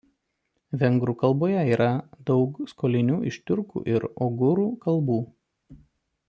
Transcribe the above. Vengrų kalboje yra daug skolinių iš tiurkų ir ogūrų kalbų.